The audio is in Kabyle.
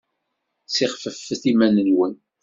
Ssixfefet iman-nwen!